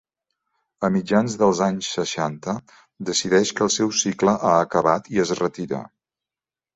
A mitjans dels anys seixanta decideix que el seu cicle ha acabat i es retira.